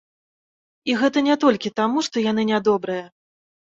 І гэта не толькі таму, што яны нядобрыя.